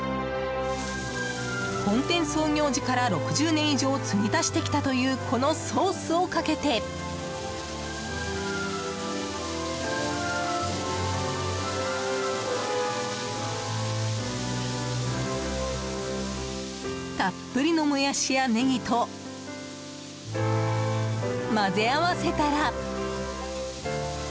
本店創業時から６０年以上継ぎ足してきたというこのソースをかけてたっぷりのモヤシやネギと混ぜ合わせたら。